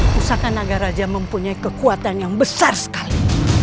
pusaka naga raja mempunyai kekuatan yang besar sekali